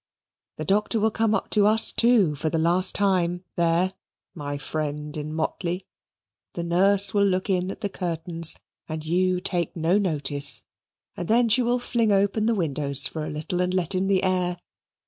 The doctor will come up to us too for the last time there, my friend in motley. The nurse will look in at the curtains, and you take no notice and then she will fling open the windows for a little and let in the air.